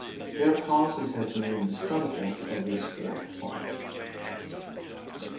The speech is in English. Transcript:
Their causes have made the subject of this fourth part.